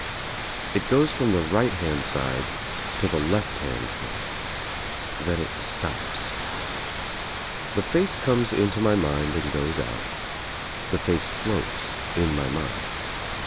It goes from the right hand side to the left hand side, then it stops. The face comes into my mind and goes out — the face floats in my mind.